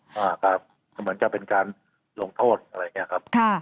ว่าครับเหมือนจะเป็นการลงโทษอะไรอย่างนี้ครับ